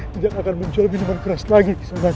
tidak akan mencuri binumang keras lagi kisanaka